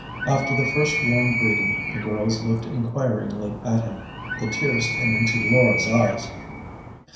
After the first warm greeting the girls looked inquiringly at him; the tears came into Laura's eyes.